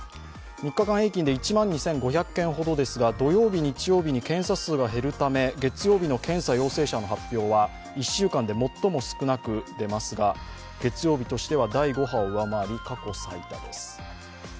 ３日間平均で１万件ほどですが、土曜日、日曜日に検査数が減るため月曜日の検査陽性者の発表は１週間で最も少なく出ますが、月曜日としては第５波を上回る過去最多です。